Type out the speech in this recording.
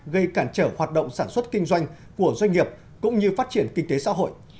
gây cản trở hoạt động sản xuất kinh doanh của doanh nghiệp cũng như phát triển kinh tế xã hội